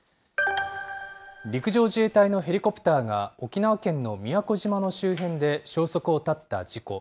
陸上自衛隊のヘリコプターが沖縄県の宮古島の周辺で消息を絶った事故。